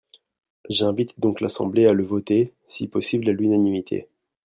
J’invite donc l’Assemblée à le voter, si possible à l’unanimité.